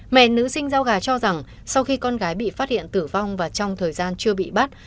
mẹ nữ sinh giao gà cho rằng sau khi con gái bị phát hiện tử vong và trong thời gian chưa bị bắt